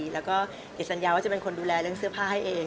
แล้วก็ติดสัญญาว่าจะเป็นคนดูแลเรื่องเสื้อผ้าให้เอง